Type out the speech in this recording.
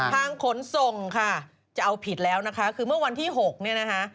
ขนส่งค่ะจะเอาผิดแล้วนะคะคือเมื่อวันที่๖เนี่ยนะคะ